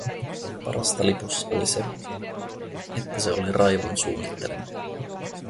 Parasta lipussa oli se, että se oli Raivon suunnittelema.